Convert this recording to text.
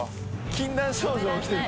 禁断症状がきてる。